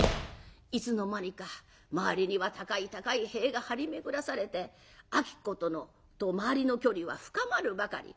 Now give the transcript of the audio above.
いつの間にか周りには高い高い塀が張り巡らされて子と周りの距離は深まるばかり。